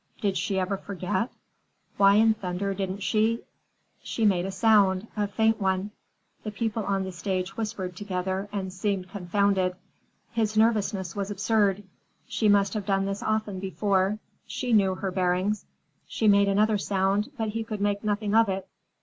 Did she ever forget? Why in thunder didn't she—She made a sound, a faint one. The people on the stage whispered together and seemed confounded. His nervousness was absurd. She must have done this often before; she knew her bearings. She made another sound, but he could make nothing of it.